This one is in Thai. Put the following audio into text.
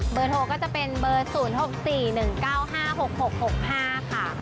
เบอร์โทรก็จะเป็น๐๖๔๑๙๕๖๖๖๕ค่ะ